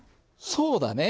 そうだね。